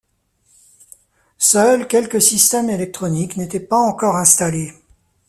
Seuls quelques systèmes électroniques n’étaient pas encore installés.